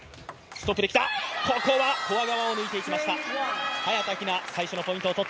ここはフォア側を抜いていきました。